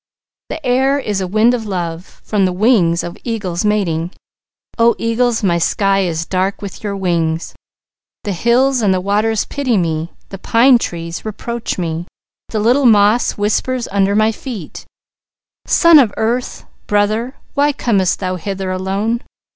The air is a wind of love From the wings of eagles mating O eagles, my sky is dark with your wings! The hills and the waters pity me, The pine trees reproach me. The little moss whispers under my feet, "Son of Earth, Brother, Why comest thou hither alone?"